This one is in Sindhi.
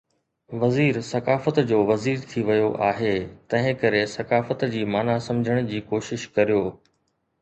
وزير ثقافت جو وزير ٿي ويو آهي، تنهنڪري ثقافت جي معنيٰ سمجهڻ جي ڪوشش ڪريو.